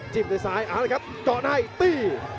จิบด้วยซ้ายอ่าครับกรอบหน้าให้ตี